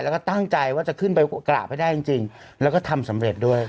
แล้วก็ตั้งใจว่าจะขึ้นไปกราบให้ได้จริงแล้วก็ทำสำเร็จด้วย